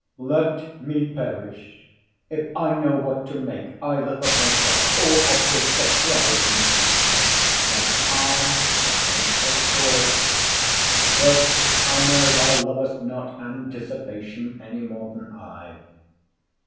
Let me perish if I know what to make either of myself or of this surprising creature—now calm, now tempestuous.—But I know thou lovest not anticipation any more than I.